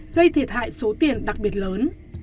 gây thiệt hại số tiền đặc biệt lớn